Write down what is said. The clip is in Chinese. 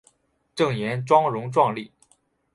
郑俨容貌壮丽。